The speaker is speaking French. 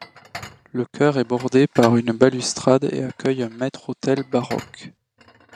Le chœur est bordée par une balustrade et accueille un maître-autel baroque.